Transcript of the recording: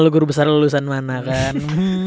lu guru besar lulusan mana kan